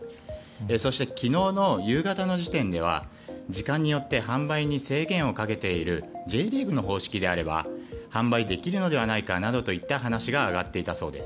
そして、昨日の夕方の時点では時間によって販売に制限をかけているＪリーグの方式であれば販売できるのではないかという話が上がっていたそうです。